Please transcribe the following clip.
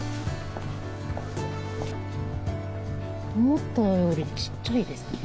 思ったよりちっちゃいですね。